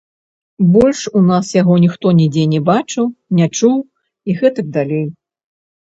Больш у нас яго ніхто нідзе не бачыў, не чуў і гэтак далей.